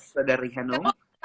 yes dari henung